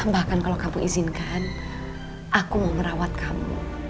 bahkan kalau kamu izinkan aku mau merawat kamu